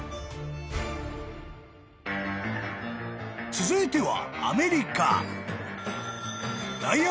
［続いては］